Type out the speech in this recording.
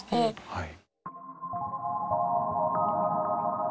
はい。